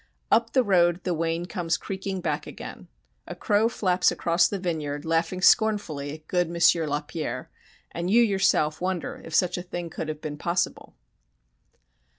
Up the road the wain comes creaking back again. A crow flaps across the vineyard, laughing scornfully at good M. Lapierre, and you yourself wonder if such a thing could have been possible.